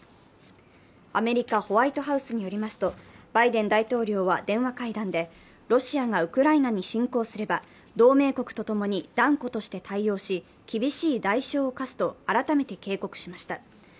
アメリカ・ホワイトハウスによりますと、バイデン大統領は電話会談で、ロシアがウクライナに侵攻すれば同盟国と共に断固として対応し、厳しい代償を科すと改めて警告しました。